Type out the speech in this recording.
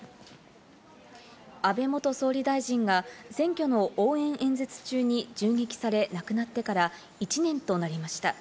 安倍元総理大臣が選挙の応援演説中に銃撃され亡くなってから１年となりました。